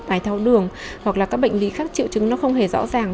tái thao đường hoặc là các bệnh lý khác triệu chứng nó không hề rõ ràng